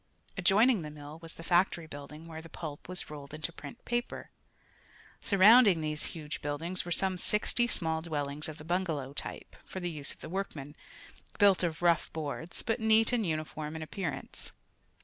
Adjoining the mill was the factory building where the pulp was rolled into print paper. Surrounding these huge buildings were some sixty small dwellings of the bungalow type, for the use of the workmen, built of rough boards, but neat and uniform in appearance.